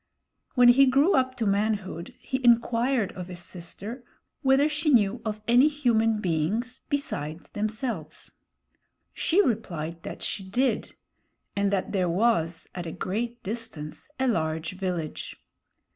When he grew up to manhood, he inquired of his sister whether she knew of any human beings besides themselves. She replied that she did; and that there was, at a great distance, a large village.